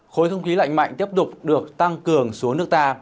khối không khí lạnh mạnh tiếp tục được tăng cường xuống nước ta